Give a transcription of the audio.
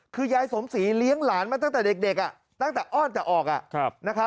คือยายสมศรีเลี้ยงหลานมาตั้งแต่เด็กตั้งแต่อ้อนแต่ออก